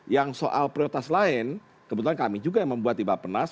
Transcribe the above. yang soal prioritas lain kebetulan kami juga yang membuat tiba tiba penas